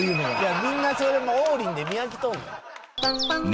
みんなそれ王林で見飽きとんねん。